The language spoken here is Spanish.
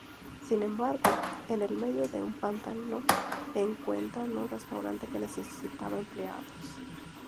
Sin embargo, en el medio de un pantano encuentran un restaurante que necesitaba empleados.